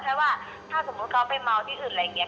ถ้าว่าถ้าสมมุติเขาไปเมาที่อื่นอะไรอย่างนี้